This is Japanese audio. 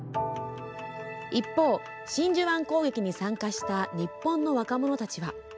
一方、真珠湾攻撃に参加した日本の若者たちは。